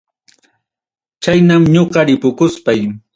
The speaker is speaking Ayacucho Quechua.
Chaynam ñuqa ripukuspay.